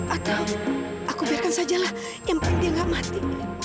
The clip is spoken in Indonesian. atau aku biarkan sajalah yang penting dia nggak mati